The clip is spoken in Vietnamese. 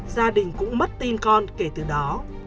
gia đình cũng mất tin con kể từ đó